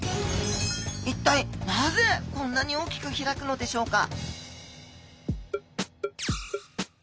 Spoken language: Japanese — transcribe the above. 一体なぜこんなに大きく開くのでしょうか？